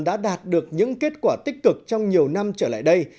đã đạt được những kết quả tích cực trong nhiều năm trở lại đây